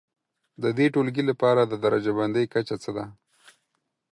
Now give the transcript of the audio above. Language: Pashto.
د دې ټولګي لپاره د درجه بندي کچه څه ده؟